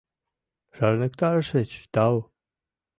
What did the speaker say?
Шарныктарышыч, тау...